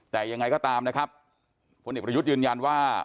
แต่ยังไงก็ตามนะครับพลเอกประยุทธ์ยืนยันว่า